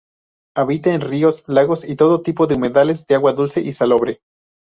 Habita en ríos, lagos y todo tipo de humedales de agua dulce y salobre.